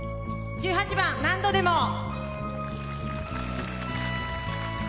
１８番「何度でも」。